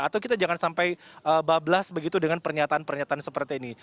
atau kita jangan sampai bablas begitu dengan pernyataan pernyataan seperti ini